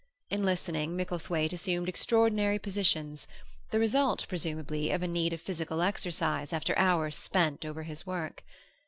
In listening, Micklethwaite assumed extraordinary positions, the result, presumably, of a need of physical exercise after hours spent over his work.